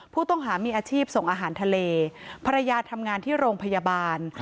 ผู้ต้องหามีอาชีพส่งอาหารทะเลภรรยาทำงานที่โรงพยาบาล